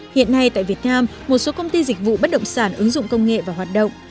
hiện nay tại việt nam một số công ty dịch vụ bất động sản ứng dụng công nghệ và hoạt động